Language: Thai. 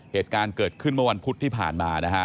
เหตุการณ์เกิดขึ้นเมื่อวันพุธที่ผ่านมานะฮะ